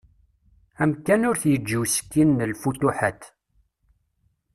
Amkan ur t-yeǧǧi usekkin n “lfutuḥat”.